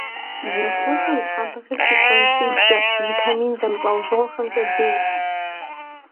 Бжьыныхущэхум и тхьэмпэхэр фитонцидкӏэ, витамин зэмылӏэужьыгъуэхэмкӏэ бейщ.